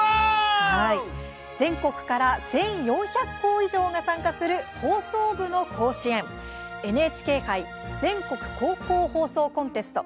全国から１４００校以上が参加する放送部の甲子園ＮＨＫ杯全国高校放送コンテスト